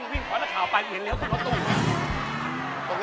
พอร์ทนักข่าวไปเห็นเลี่ยวคนเอาตูนไง